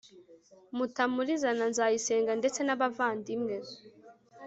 Mutamuliza na Nzayisenga ndetse n’abavandimwe